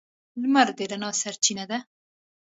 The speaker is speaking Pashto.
• لمر د رڼا سرچینه ده.